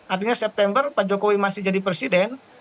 artinya september pak jokowi masih jadi presiden